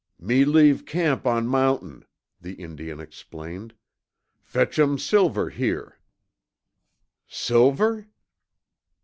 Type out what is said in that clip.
"Me leave camp on mountain," the Indian explained. "Fetch um Silver here." "Silver?"